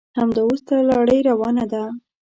همدا اوس دا لړۍ روانه ده.